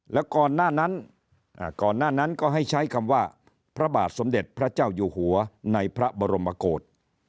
แล้วก่อนหน้านั้นก่อนหน้านั้นก็ให้ใช้คำว่าพระบาทสมเด็จพระเจ้าอยู่หัวในพระบรมกฏ